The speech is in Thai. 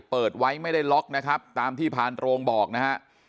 เปิดไว้ไม่ได้ล็อกนะครับตามที่พานโรงบอกนะฮะ